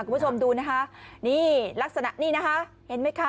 คุณผู้ชมดูนะคะนี่ลักษณะนี่นะคะเห็นไหมคะ